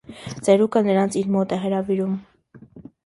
Ծերուկը նրանց իր մոտ է հրավիրում։